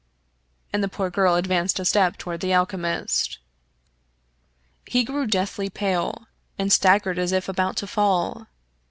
" And the poor girl advanced a step toward the alchemist. He grew deathly pale, and staggered as if about to fall.